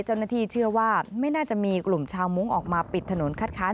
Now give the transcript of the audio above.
เจ้าหน้าที่เชื่อว่าไม่น่าจะมีกลุ่มชาวมุ้งออกมาปิดถนนคัดค้าน